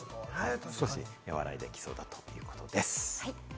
少し和らいできそうだということです。